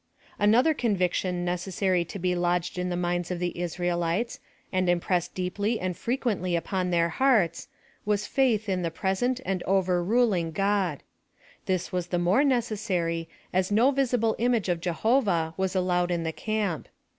Another conviction necessary to be lodged in the minds of the Israelites, and unpressed deeply and frequently upon their hearts, was faith in the present and overruling God. This was the more necessary, as no visible image of Jehovah was allowed in the camp.